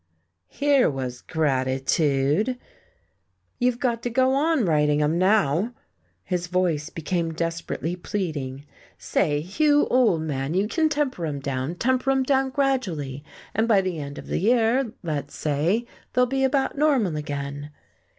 Here was gratitude! "You've got to go on writing 'em, now." His voice became desperately pleading. "Say, Hugh, old man, you can temper 'em down temper 'em down gradually. And by the end of the year, let's say, they'll be about normal again."